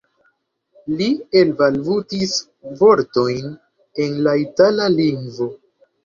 Li elbalbutis vortojn en la itala lingvo.